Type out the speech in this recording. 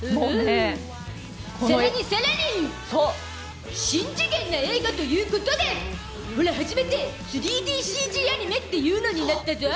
更に更にしん次元な映画ということでオラ、初めて３ＤＣＧアニメっていうのになったゾ！